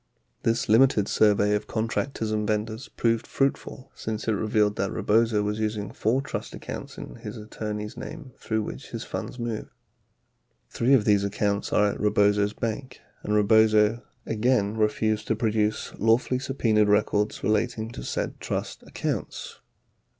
This limited survey of contractors and vendors proved fruitful since it revealed that Rebozo was using four trust accounts in his attorney's name through which his funds moved. Three of these accounts are at Rebozo's bank and Rebozo again re fused to produce lawfully subpenaed records relating to said trust accounts.